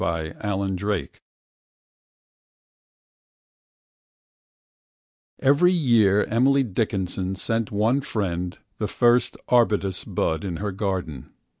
Accomplished Facts EVERY year Emily Dickinson sent one friendthe first arbutus bud in her garden.